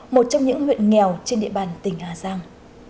một trong những huyện nghèo trên địa bàn tỉnh hà giang